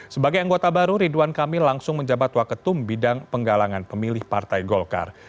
sebagai anggota baru ridwan kamil langsung menjabat waketum bidang penggalangan pemilih partai golkar